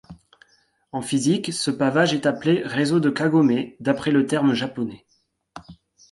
En physique, ce pavage est appelé réseau de Kagomé d'après le terme japonais.